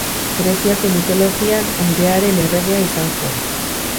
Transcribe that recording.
Greziako mitologian airearen erregea izan zen.